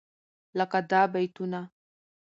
لکه دا بيتونه: